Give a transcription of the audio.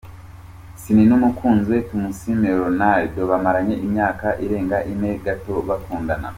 Ciney n’umukunziwe Tumusiime Ronald bamaranye imyaka irenga ine gato bakunda.